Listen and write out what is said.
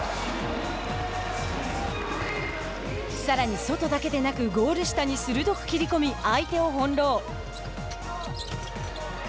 さらに外だけでなくゴール下に鋭く切り込み相手を翻弄。